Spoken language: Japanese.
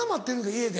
家で。